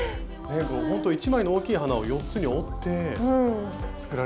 これほんと１枚の大きい花を４つに折って作られている。